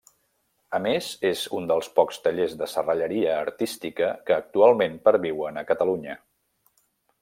A més, és un dels pocs tallers de serralleria artística que actualment perviuen a Catalunya.